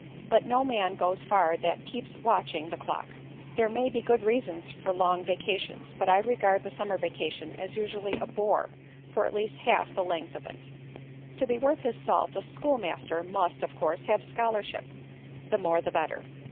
But no man goes far that keeps watching the clock. There may be good reasons for long vacations, but I regard the summer vacation as usually a bore for at least half the length of it. "To be worth his salt, a schoolmaster must, of course, have scholarship the more the better.